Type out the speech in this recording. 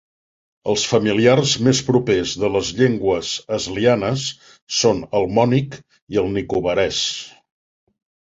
Els familiars més propers de les llengües aslianes són el mònic i el nicobarès.